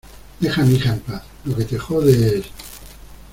deja a mi hija en paz. lo que te jode es